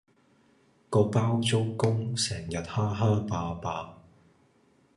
個包租公成日蝦蝦霸霸